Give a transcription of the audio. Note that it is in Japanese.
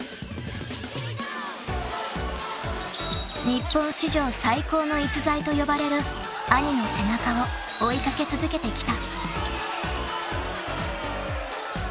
［日本史上最高の逸材と呼ばれる兄の背中を追い掛け続けてきた］